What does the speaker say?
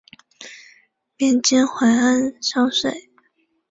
贬监怀安商税。